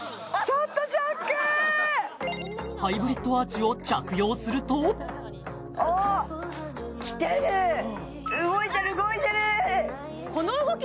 ハイブリッドアーチを着用するとあっきてる動いてる動いてるこの動き